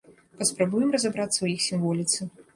Паспрабуем разабрацца ў іх сімволіцы.